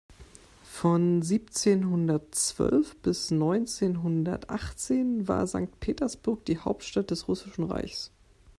Von siebzehnhundertzwölf bis neunzehnhundertachtzehn war Sankt Petersburg die Hauptstadt des Russischen Reichs.